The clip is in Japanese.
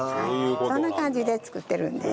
そんな感じで作ってるんです。